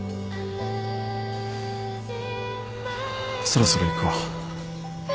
そろそろ行くわ。